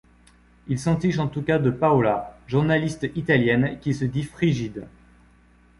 Il s'entiche en tout cas de Paola, journaliste italienne qui se dit frigide.